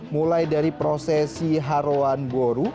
mulai dari prosesi harwan buru